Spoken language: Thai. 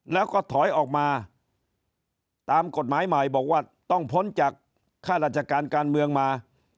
แล้วก็ถอยออกมาตามกฎหมายใหม่บอกว่าต้องพ้นจากข้าราชการการเมืองมา